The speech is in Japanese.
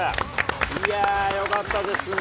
いやー、よかったですね。